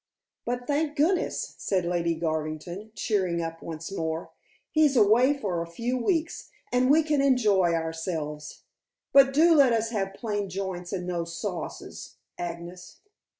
But thank goodness," said Lady Garvington, cheering up once more, "he's away for a few weeks, and we can enjoy ourselves. But do let us have plain joints and no sauces, Agnes."